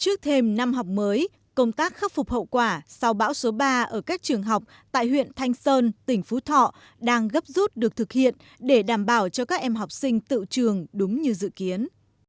trước thêm năm học mới công tác khắc phục hậu quả sau bão số ba ở các trường học tại huyện thanh sơn tỉnh phú thọ đang gấp rút được thực hiện để đảm bảo cho các em học sinh tự trường đúng như dự kiến